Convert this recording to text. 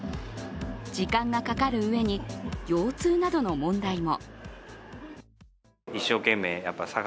時間がかかるうえに、腰痛などの問題も。